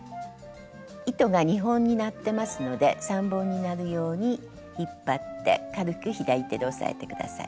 糸が２本になってますので３本になるように引っ張って軽く左手で押さえて下さい。